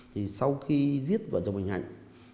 thì sau khi giết vợ chồng bình hạnh